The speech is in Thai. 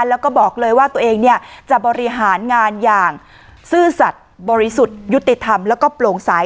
แล้วก็บอกเลยว่าตัวเองเนี่ยจะบริหารงานอย่างซื่อสัตว์บริสุทธิ์ยุติธรรมแล้วก็โปร่งใส